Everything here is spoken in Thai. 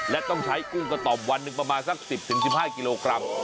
และต้องใช้กุ้งกระต่อมวันหนึ่งประมาณสัก๑๐๑๕กิโลกรัม